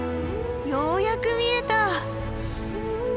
ようやく見えた！